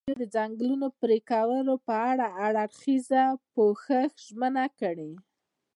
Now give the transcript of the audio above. ازادي راډیو د د ځنګلونو پرېکول په اړه د هر اړخیز پوښښ ژمنه کړې.